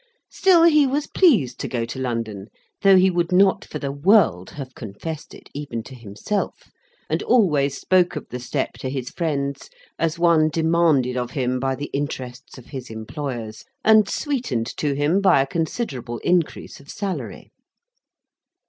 Still, he was pleased to go to London; though he would not for the world have confessed it, even to himself, and always spoke of the step to his friends as one demanded of him by the interests of his employers, and sweetened to him by a considerable increase of salary.